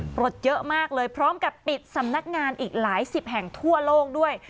ปลดเยอะมากเลยพร้อมกับปิดสำนักงานอีกหลายสิบแห่งทั่วโลกด้วย